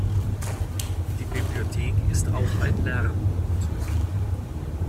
Die Bibliothek ist auch ein Lernort.